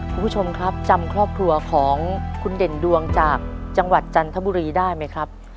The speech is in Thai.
คุณผู้ชมครับจำครอบครัวของคุณเด่นดวงจากจังหวัดจันทบุรีได้ไหมครับ